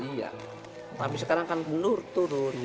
iya tapi sekarang kan mundur turun